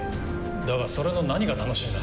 だがそれの何が楽しいんだ？